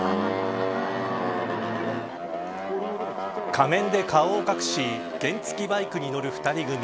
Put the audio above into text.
仮面で顔を隠し原付バイクに乗る２人組。